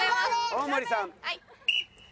大盛さん。